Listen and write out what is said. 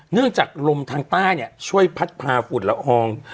เนื่องจากลมทางใต้เนี่ยช่วยพัดพาฝุ่นละออง